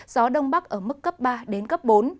gió đông bắc ở mức cấp ba bốn